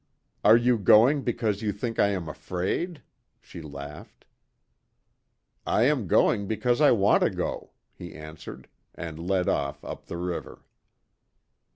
"Are you going because you think I am afraid?" she laughed. "I am going because I want to go," he answered, and led off up the river.